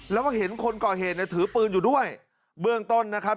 แล้วก็เห็นคนก่อเหตุเนี่ยถือปืนอยู่ด้วยเบื้องต้นนะครับ